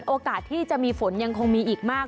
โอกาสที่จะมีฝนยังคงมีอีกมาก